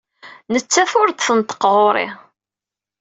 Nettat ur d-tneṭṭeq ɣer-i.